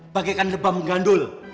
bagaikan lebah menggandul